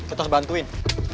kita harus bantuin